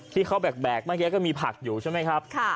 ที่เขาแบกบางทีแล้วก็มีผักอยู่ใช่ไหมครับ